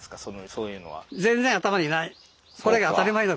そういうのは。